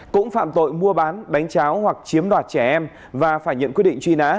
cũng phạm tội mua bán đánh cháo hoặc chiếm đoạt trẻ em và phải nhận quyết định truy nã